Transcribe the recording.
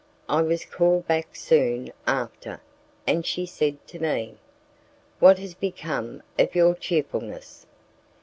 I was called back soon after, and she said to me, "What has become of your cheerfulness?"